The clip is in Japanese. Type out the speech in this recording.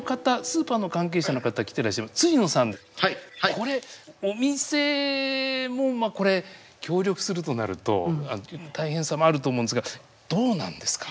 これお店も協力するとなると大変さもあると思うんですがどうなんですか？